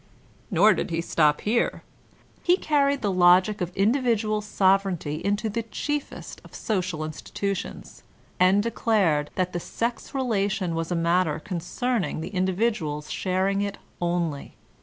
Nor did he stop here : he carried the logic of individual sovereignty into the chiefest of social institutions, and Anarchism in Litesatui£ 141 declared that the sex relation was a matter conceming the individuals sharing it only.